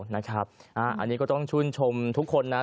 นะครับอันนี้ก็ต้องชื่นชมทุกคนนะ